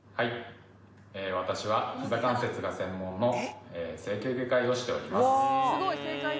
私は膝関節が専門の整形外科医をしております。